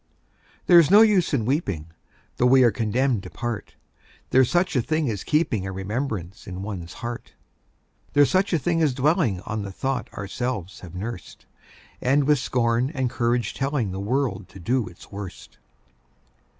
There's no use in weeping, Though we are condemned to part: There's such a thing as keeping A remembrance in one's heart: There's such a thing as dwelling On the thought ourselves have nursed, And with scorn and courage telling The world to do its worst.